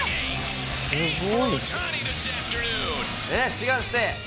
志願して。